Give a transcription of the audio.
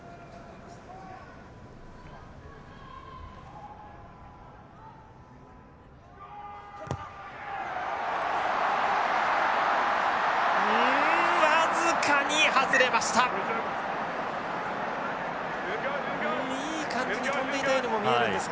いい感じに飛んでいたようにも見えるんですが。